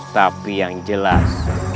tapi yang jelas